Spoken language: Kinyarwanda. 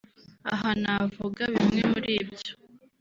Aha navuga bimwe muribyo